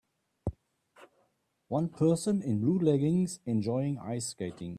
One person in blue leggings enjoying ice skating.